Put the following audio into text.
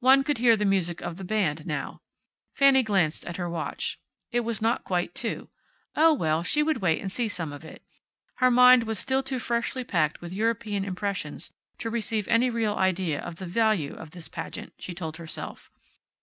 One could hear the music of the band, now. Fanny glanced at her watch. It was not quite two. Oh, well, she would wait and see some of it. Her mind was still too freshly packed with European impressions to receive any real idea of the value of this pageant, she told herself.